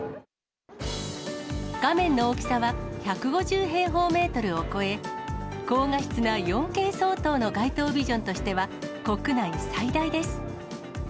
画面の大きさは１５０平方メートルを超え、高画質な４Ｋ相当の街頭ビジョンとしては、国内最大です。